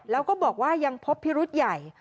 แล้วก็บอกว่ายังพบพิรุษใหญ่